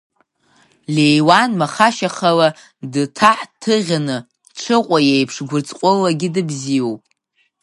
Леуан маха-шьахала дыҭаҳ-ҭыӷьаны дшыҟоу еиԥш гәырҵҟәллагьы дыбзиоуп.